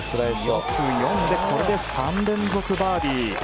よく読んでこれで３連続バーディー。